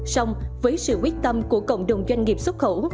xong với sự quyết tâm của cộng đồng doanh nghiệp xuất khẩu